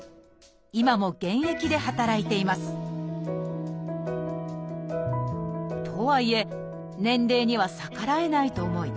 今も現役で働いていますとはいえ年齢には逆らえないと思い